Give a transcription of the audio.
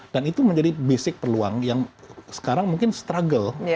dan itu menjadi basic peluang yang sekarang mungkin struggle